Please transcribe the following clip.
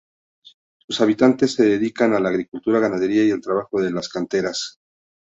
Sus habitantes se dedican a la agricultura, ganadería y al trabajo de las canteras.